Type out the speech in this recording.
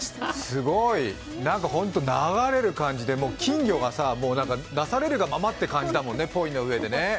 すごい、ほんと流れる感じで金魚が出されるがままって感じだもんね、ポイの上でね。